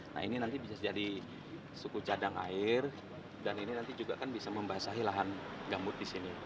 nah ini nanti bisa jadi suku cadang air dan ini nanti juga kan bisa membasahi lahan gambut di sini